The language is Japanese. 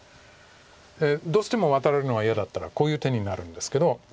どうしてもワタられるのが嫌だったらこういう手になるんですけど。